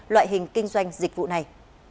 loại hình kinh doanh dịch vụ này